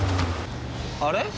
あれ？